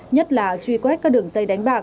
nhất là truy quét các đường dây đánh bạc